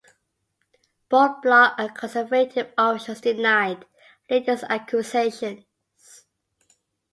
Both Bloc and Conservative officials denied Layton's accusations.